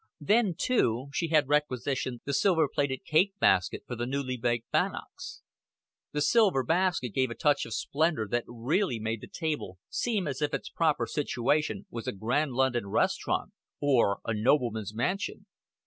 Then, too, she had requisitioned the silver plated cake basket for the newly baked bannocks. The silver basket gave a touch of splendor that really made the table seem as if its proper situation was a grand London restaurant or a nobleman's mansion.